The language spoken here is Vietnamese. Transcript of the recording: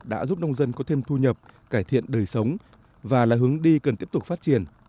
đã giúp nông dân có thêm thu nhập cải thiện đời sống và là hướng đi cần tiếp tục phát triển